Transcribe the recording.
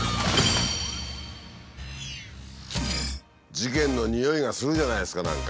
事件のにおいがするじゃないですか何か。